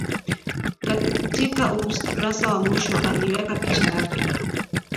Katika ukurasa wa mwisho, aliweka picha yake